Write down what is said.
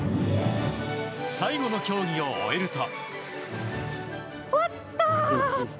最後の競技を終えると。